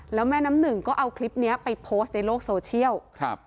แล้วแม่น้ำหนึ่งก็เอาคลิปนี้ไปโพสต์ในโลกโซเชียลครับ